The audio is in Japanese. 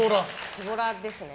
ズボラですね。